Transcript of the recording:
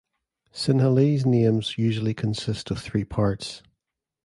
Sinhalese names usually consists of three parts.